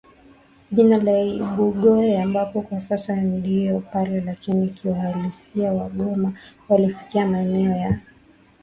jina la Ibugoye ambapo kwa sasa ndio pale Lakini Kiuhalisia Wagoma walifikia Maeneo ya